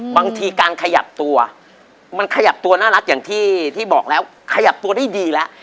บางทีการขยับตัวมันขยับตัวน่ารักอย่างที่บอกแล้วขยับตัวได้ดีแล้ว